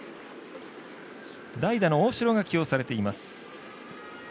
代打の大城が起用されています。